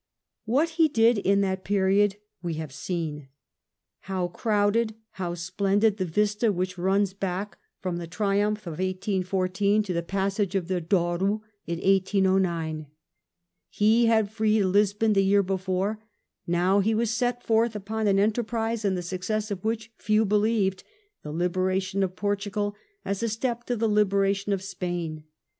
What he did in that period we have seen. How crowded, how splendid the vista which runs back from VIII NAPOLEON ABDICATES 197 the triumph of 1814 to the passage of the Douro in 1809 ! He had freed Lisbon the year before, now he was to set forth upon an enterprise in the success of which few believed — the liberation of Portugal, as a step to the liberation of Spain.